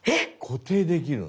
固定できるんだ。